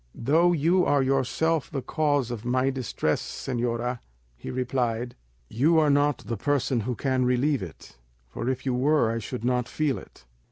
"Though you are yourself the cause of my distress, señora," he replied, "you are not the person who can relieve it, for if you were I should not feel it."